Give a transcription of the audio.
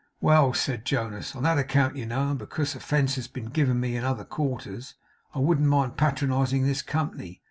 'Well,' said Jonas, 'on that account, you know, and because offence has been given me in other quarters, I wouldn't mind patronizing this Company.